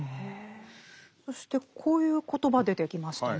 そしてこういう言葉出てきましたね。